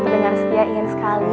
dengar setia ingin sekali